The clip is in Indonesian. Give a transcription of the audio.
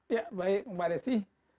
ya baik mbak nesli